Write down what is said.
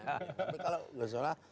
tapi kalau gus dur